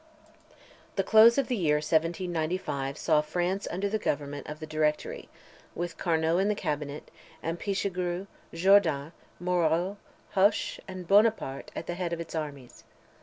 The close of the year 1795 saw France under the government of the Directory, with Carnot in the cabinet, and Pichegru, Jourdain, Moreau, Hoche, and Buonaparte at the head of its armies.